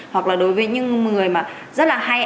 hoặc là đối với những người mà rất là hay